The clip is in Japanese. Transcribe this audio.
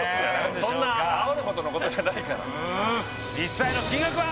そんなあおるほどのことじゃないから実際の金額は？